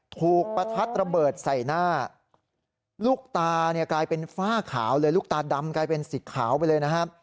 ประทัดระเบิดใส่หน้าลูกตาเนี่ยกลายเป็นฝ้าขาวเลยลูกตาดำกลายเป็นสีขาวไปเลยนะครับ